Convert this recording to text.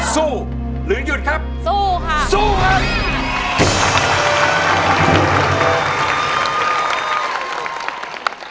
สู้หรือยุดครับสู้ครับ